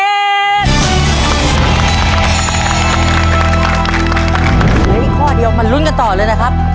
เฮ้ยข้อเดียวมารุ้นกันต่อเลยนะครับ